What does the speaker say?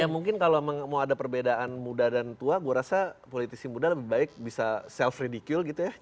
ya mungkin kalau mau ada perbedaan muda dan tua gue rasa politisi muda lebih baik bisa self redicule gitu ya